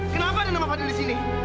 kamu salah fadil